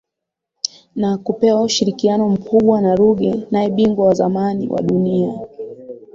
na kupewa ushirikiano mkubwa na Ruge Naye bingwa wa zamani wa dunia wa